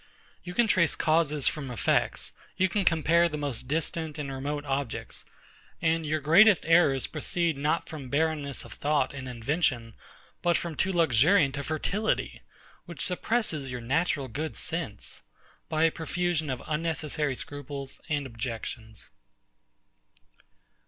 You can trace causes from effects: You can compare the most distant and remote objects: and your greatest errors proceed not from barrenness of thought and invention, but from too luxuriant a fertility, which suppresses your natural good sense, by a profusion of unnecessary scruples and objections.